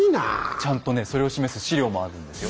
ちゃんとねそれを示す史料もあるんですよ。